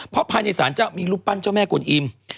เพราะภายในสารเจ้ามีรูปปั้นเจ้าแม่กวนอิ่ม